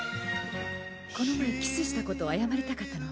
この前、キスしたことを謝りたかったの。